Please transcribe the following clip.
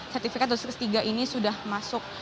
sertifikat dosis tiga ini sudah masuk